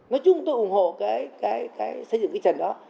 nói chung tôi ủng hộ cái xây dựng cái trần đó